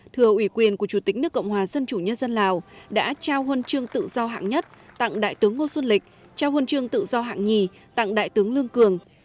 thưa ủy quyền của chủ tịch nước cộng hòa xã hội chủ nghĩa việt nam đại tướng ngô xuân lịch trao huân chương tự do hạng nhất tặng đại tướng lương cường